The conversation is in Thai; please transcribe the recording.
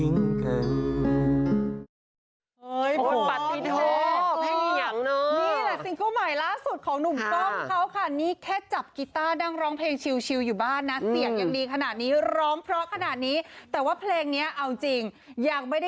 น้ำตาสุดท้ายเธอก็ทิ้งกัน